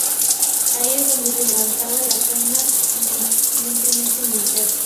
Ahí es donde se levantaba la zona eminentemente militar.